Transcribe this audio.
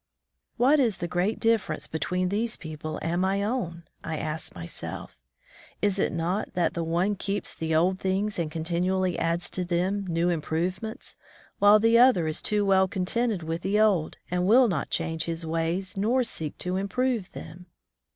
What is the great diflPerence between these people and my own? I asked myself. Is it not that the one keeps the old things and continually adds to them new improvements, while the other is too well contented with the old, and will not change his ways nor seek to improve them